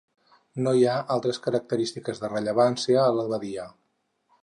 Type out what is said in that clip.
No hi ha altres característiques de rellevància a la badia.